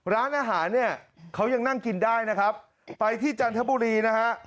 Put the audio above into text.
ร้านอาหารเนี่ยเขายังนั่งกินได้นะครับไปที่จันทบุรีนะฮะ